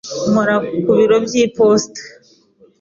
Nkora ku biro by'iposita.